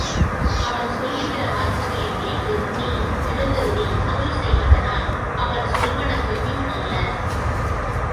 அவன் சொல்கிற வார்த்தைகளைக் கேட்டு நீ எழுந்தருளி அருள் செய்வதனால் அவன் சொல்வன பொய்யும் அல்ல.